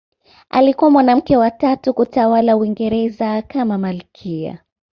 Alikuwa mwanamke wa tatu kutawala Uingereza kama malkia.